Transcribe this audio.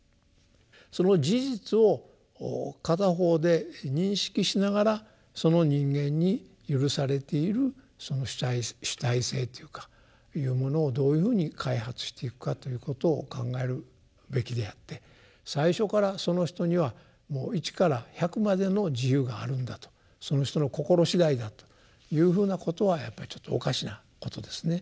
その事実を片方で認識しながらその人間に許されているその主体性っていうかいうものをどういうふうに開発していくかということを考えるべきであって最初からその人にはもう一から百までの自由があるんだとその人の心次第だというふうなことはやっぱりちょっとおかしなことですね。